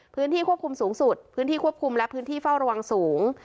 พื้นที่ควบคุมสูงสุดพื้นที่ควบคุมและพื้นที่เฝ้าระวังสูง